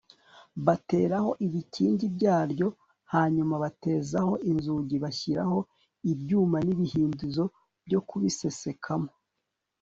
bateraho ibikingi byaryo hanyuma bateraho inzugi bashyiraho ibyuma n' ibihindizo byo kubisesekamo